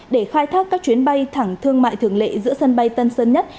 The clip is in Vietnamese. để khai thác các chuyến bay thẳng thương mại thường lệ giữa sân bay tân sơn nhất